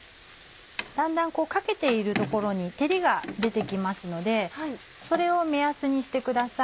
だんだんかけている所に照りが出て来ますのでそれを目安にしてください。